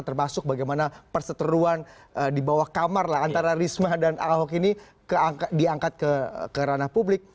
termasuk bagaimana perseteruan di bawah kamar lah antara risma dan ahok ini diangkat ke ranah publik